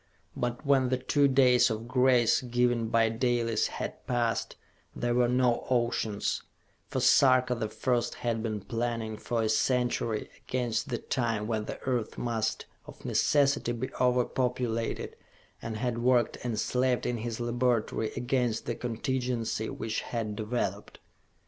But, when the two days of grace given by Dalis had passed, there were no oceans for Sarka the First had been planning for a century against the time when the earth must of necessity be over populated, and had worked and slaved in his laboratory against the contingency which had developed.